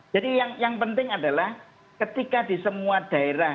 jadi yang penting adalah ketika di semua daerah